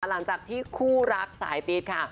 หลังจากที่คู่รักสายปี๊ดค่ะ